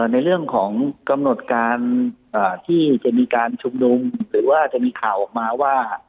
ในเรื่องของกำหนดการที่จะมีการชุมนุมหรือว่าจะมีข่าวออกมาว่า